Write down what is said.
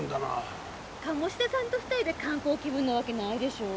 鴨志田さんと２人で観光気分なわけないでしょ。